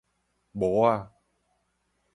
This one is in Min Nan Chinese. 模仔